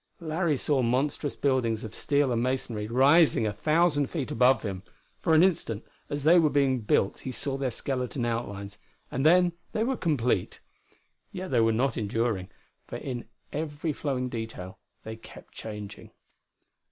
Larry saw monstrous buildings of steel and masonry rising a thousand feet above him. For an instant, as they were being built he saw their skeleton outlines; and then they were complete. Yet they were not enduring, for in every flowing detail they kept changing.